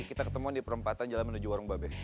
kita ketemuan di perempatan jalan menuju warung babe